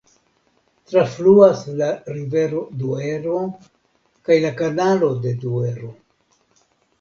Trafluas la rivero Duero kaj la Kanalo de Duero.